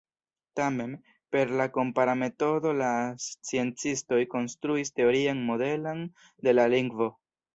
Tamen, per la kompara metodo la sciencistoj konstruis teorian modelon de la lingvo.